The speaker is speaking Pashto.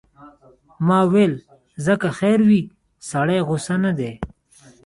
ما ویل ځه که خیر وي، سړی غوسه نه دی.